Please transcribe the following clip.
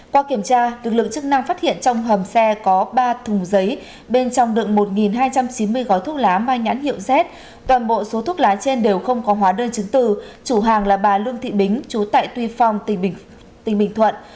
qua kiểm tra lực lượng chức năng phát hiện trong hầm xe có ba thùng giấy bên trong đựng một hai trăm chín mươi gói thuốc lá mai nhãn hiệu z toàn bộ số thuốc lá trên đều không có hóa đơn chứng từ chủ hàng là bà lương thị bính chú tại tuy phong tỉnh bình thuận